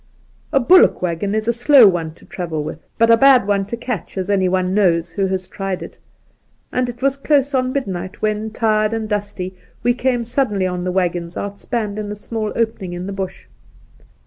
A bullock waggon is a slow one to travel with, but a bad one to catch, as anyone knows who has tried it ; and it was close on midnight when, tired and dusty, we came suddenly on the waggons out spanned in a small opening in the Bush.